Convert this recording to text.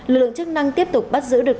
lực lượng chức năng tiếp tục bắt giữ được